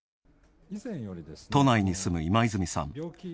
都内に住む今泉さん。